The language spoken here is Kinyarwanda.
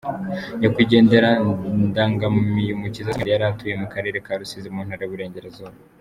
Nyakwigendera Ndangamiyumukiza Samuel yari atuye mu karere ka Rusizi mu Ntara y’Uburengerazuba.